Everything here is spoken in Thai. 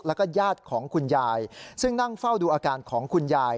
แล้วก็ญาติของคุณยายซึ่งนั่งเฝ้าดูอาการของคุณยาย